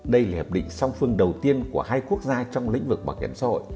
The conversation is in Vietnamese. đây là hiệp định song phương đầu tiên của hai quốc gia trong lĩnh vực bảo hiểm xã hội